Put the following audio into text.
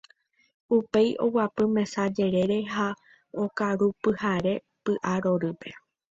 upéi oguapy mesa jerere ha okarupyhare py'arorýpe.